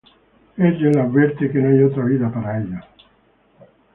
Ethel advierte que no hay otra vida para ellos.